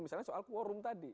misalnya soal quorum tadi